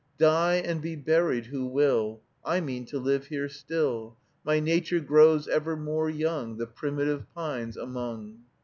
Die and be buried who will, I mean to live here still; My nature grows ever more young The primitive pines among.